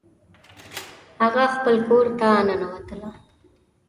هغه خپل کور ته ننوتله